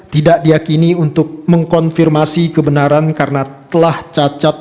tidak diakini untuk mengkonfirmasi kebenaran karena telah cacat